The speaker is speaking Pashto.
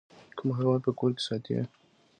کوم حیوان په کور کې ساتئ؟